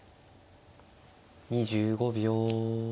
２５秒。